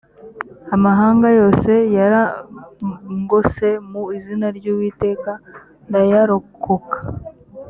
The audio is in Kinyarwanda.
amahanga yose yarangose mu izina ry’ uwiteka ndayarokoka